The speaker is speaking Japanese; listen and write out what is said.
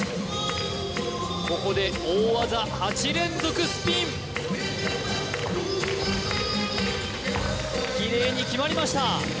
ここで大技８連続スピンきれいに決まりました